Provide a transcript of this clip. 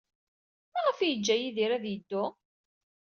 Maɣef ay yeǧǧa Yidir ad yeddu?